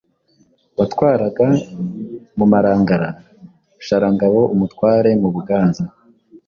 watwaraga mu Marangara, Sharangabo umutware mu Buganza,